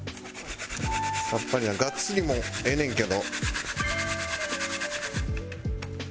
さっぱりながっつりもええねんけど。